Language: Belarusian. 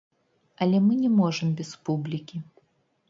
Але мы не можам без публікі!